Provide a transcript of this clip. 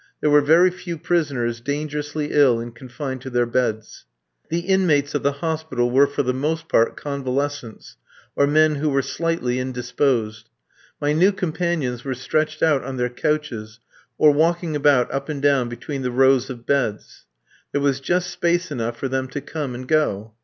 There were very few prisoners dangerously ill and confined to their beds. The inmates of the hospital were, for the most part, convalescents, or men who were slightly indisposed. My new companions were stretched out on their couches, or walking about up and down between the rows of beds. There was just space enough for them to come and go.